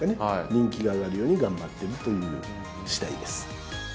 人気が上がるように頑張ってるという次第です。